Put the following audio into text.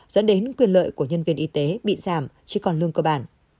dẫn đến quyền lợi của nhân viên y tế bị giảm chứ còn lương cơ bản